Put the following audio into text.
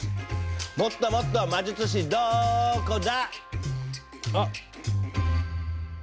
もっともっと魔術師どこだ？